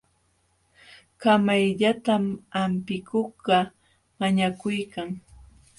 Kamayllatam hampikuqkaq mañakuykan.